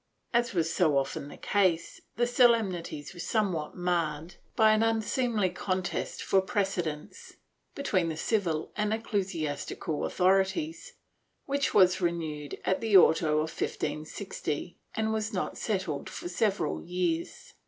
^ As was so often the case, the solemnities were somewhat marred by an unseemly contest for precedence, between the civil and ecclesiastical authorities, which was renewed at the auto of 1560 and was not settled for several years.